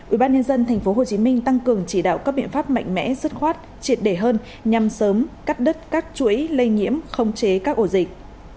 hai ubnd tp hcm tăng cường chỉ đạo các biện pháp mạnh mẽ sức khoát triệt đề hơn nhằm sớm cắt đứt các chuỗi lây nhiễm không chế các ổ dịch